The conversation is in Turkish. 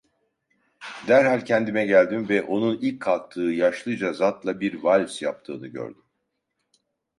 Derhal kendime geldim ve onun ilk kalktığı yaşlıca zatla bir vals yaptığını gördüm.